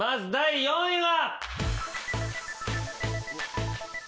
第８位は。